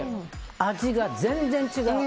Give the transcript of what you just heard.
味が全然違う。